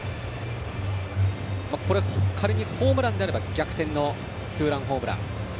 これが仮にホームランなら逆転のツーランホームラン。